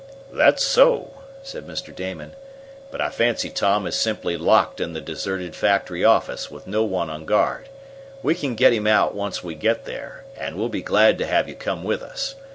"That's so," said Mr. Damon. "But I fancy Tom is simply locked in the deserted factory office, with no one on guard. We can get him out once we get there, and we'll be glad to have you come with us.